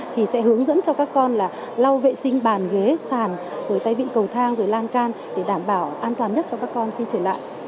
thì sẽ hướng dẫn cho các con là lau vệ sinh bàn ghế sàn rồi tay vịn cầu thang rồi lan can để đảm bảo an toàn nhất cho các con khi trở lại